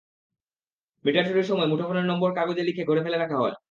Metre চুরির সময় মুঠোফোনের নম্বর কাগজে লিখে ঘরে ফেলে রাখা হয়।